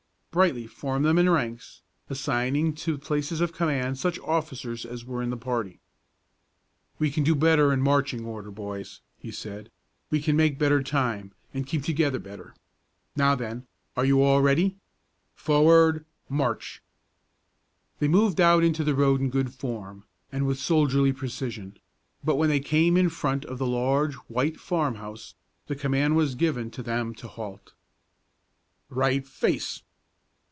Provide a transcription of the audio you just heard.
Brightly formed them in ranks, assigning to places of command such officers as were in the party. "We can do better in marching order, boys," he said; "we can make better time, and keep together better. Now, then, are you all ready? Forward, march!" They moved out into the road in good form and with soldierly precision; but when they came in front of the large white farm house, the command was given to them to halt. "Right face!"